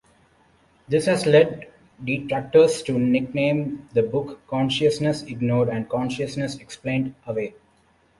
This has led detractors to nickname the book "Consciousness Ignored" and "Consciousness Explained Away".